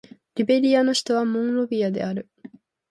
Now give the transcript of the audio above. リベリアの首都はモンロビアである